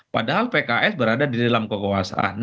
padahal pks berada di dalam kekuasaan